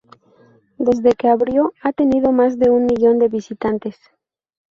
Desde que abrió ha tenido más de un millón de visitantes.